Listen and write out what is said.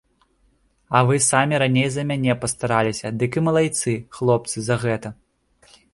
А вы самі раней за мяне пастараліся, дык і малайцы, хлопцы, за гэта.